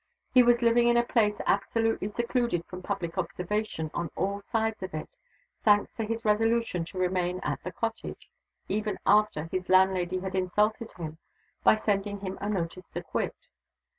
He was living in a place absolutely secluded from public observation on all sides of it thanks to his resolution to remain at the cottage, even after his landlady had insulted him by sending him a notice to quit.